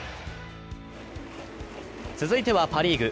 続いてはパ・リーグ。